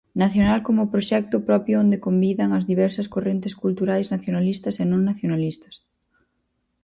Nacional como proxecto propio onde convivan as diversas correntes culturais nacionalistas e non nacionalistas.